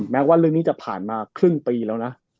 แม้ว่าเรื่องนี้จะผ่านมาครึ่งปีแล้วนะ